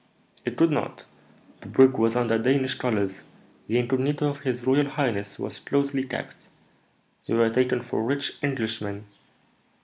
"It could not. The brig was under Danish colours; the incognito of his royal highness was closely kept; we were taken for rich Englishmen.